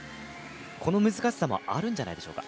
この難しさもあるんじゃないでしょうか。